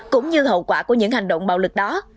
cũng như hậu quả của những hành động bạo lực đó